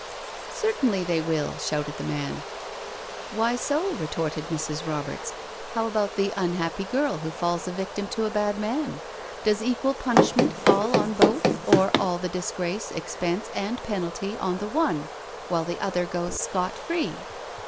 *'" Certainly they will I *' shouted the man. "Why so?" retorted Mrs. Roberts. "How about the unhappy girl who falls a victim to a bad man? Does equal punishment fall on both, or all the dis grace, expense, and penalty on the one, while the other goes scot free?